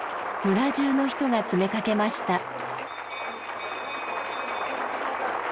村じゅうの人が詰めかけました。